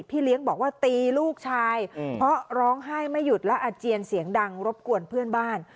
เลี้ยงบอกว่าตีลูกชายเพราะร้องไห้ไม่หยุดและอาเจียนเสียงดังรบกวนเพื่อนบ้าน